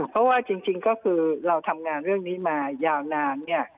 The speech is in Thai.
เพราะว่าจริงก็คือเราทำงานเรื่องนี้มายาวนานเนี่ย